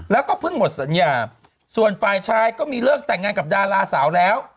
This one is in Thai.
แล้วก็เพิ่งหมดสัญญาส่วนฝ่ายชายก็มีเลิกแต่งงานกับดาราสาวแล้ว